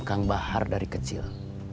kang bahar dari kecil